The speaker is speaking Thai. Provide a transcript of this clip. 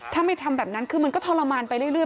ถ้าไม่ทำแบบนั้นคือมันก็ทรมานไปเรื่อย